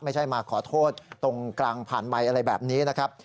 ไม่ใช่มาขอโทษตรงกลางผ่านไมค์อะไรแบบนี้นะครับ